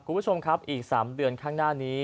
คุณผู้ชมครับอีก๓เดือนข้างหน้านี้